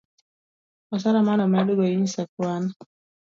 osara manomedi go inyis e kwan